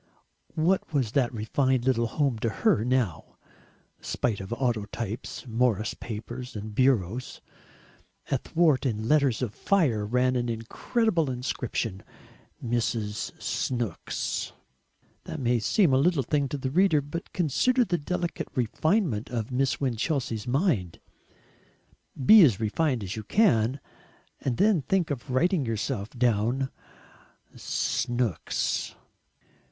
What was that refined little home to her now, spite of autotypes, Morris papers, and bureaus? Athwart it in letters of fire ran an incredible inscription: "Mrs. Snooks." That may seem a little thing to the reader, but consider the delicate refinement of Miss Winchelsea's mind. Be as refined as you can and then think of writing yourself down: "Snooks."